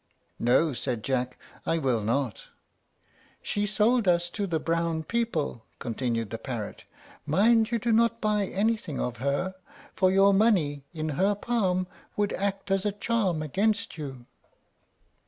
"No," said Jack; "I will not." "She sold us to the brown people," continued the parrot. "Mind you do not buy anything of her, for your money in her palm would act as a charm against you."